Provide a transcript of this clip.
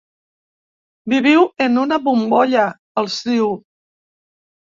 Viviu en una bombolla, els diu.